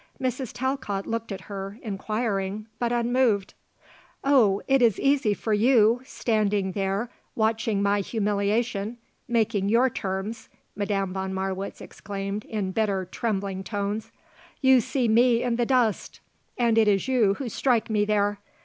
Mrs. Talcott looked at her, inquiring, but unmoved. "Oh it is easy for you standing there watching my humiliation making your terms!" Madame von Marwitz exclaimed in bitter, trembling tones. "You see me in the dust, and it is you who strike me there.